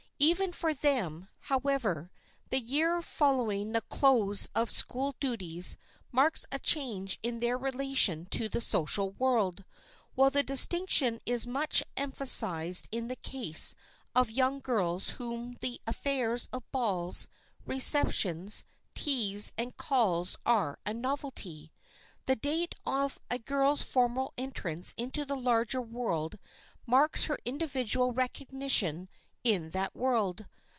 Even for them, however, the year following the close of school duties marks a change in their relation to the social world, while the distinction is much emphasized in the case of young girls to whom the affairs of balls, receptions, teas and calls are a novelty. The date of a girl's formal entrance into the larger world marks her individual recognition in that world.